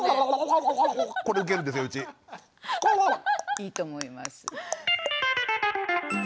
いいと思います。